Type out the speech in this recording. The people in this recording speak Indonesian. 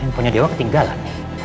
teleponnya dewa ketinggalan